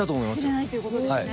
しれないということですね。